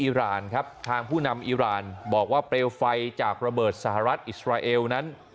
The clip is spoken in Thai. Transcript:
มีตำรวจนั้นเข้าควบคุมเหตุขณะที่ทางผู้นำอิราณบอกว่าเปลวไฟจากระเบิดสหรัฐอิสราเอลนั้น